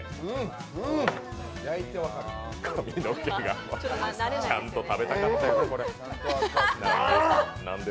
髪の毛が、ちゃんと食べたかったよな、これ。